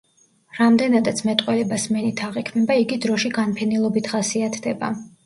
რამდენადაც მეტყველება სმენით აღიქმება, იგი დროში განფენილობით ხასიათდება.